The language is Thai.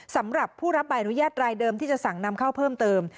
สำหรับผู้รับใบอนุญาตรายเดิมที่จะสั่งนำเข้าเพิ่มเติม